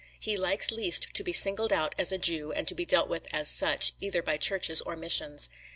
He likes least to be singled out as a Jew and to be dealt with as such, either by churches or missions.